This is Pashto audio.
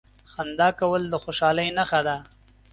• خندا کول د خوشالۍ نښه ده.